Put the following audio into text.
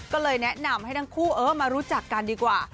ก็เลยแนะนำให้ทั้งคู่มารู้จักกันดีกว่า